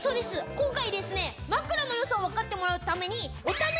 今回ですね枕のよさを分かってもらうために。